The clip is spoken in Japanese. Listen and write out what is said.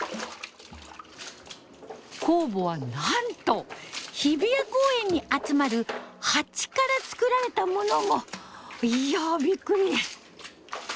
酵母はなんと日比谷公園に集まる蜂からつくられたものも！いやびっくり。